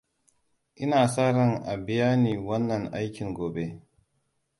Ina sa ran a biya ni wannan aikin gobe.